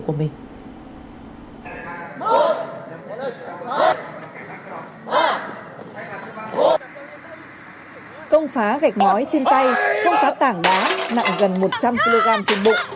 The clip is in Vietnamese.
công phá gạch ngói trên tay không phá tảng đá nặng gần một trăm linh kg trên bụng